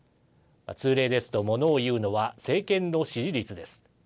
通例ですとモノを言うのは政権の支持率です。